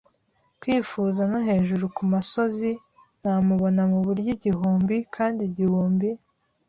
kwifuza no hejuru kumasozi, namubona muburyo igihumbi, kandi igihumbi